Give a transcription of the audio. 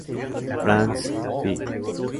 France; Fl.